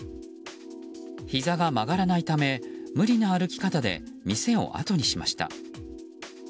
ひざが曲がらないため無理な歩き方で店をあとにしました。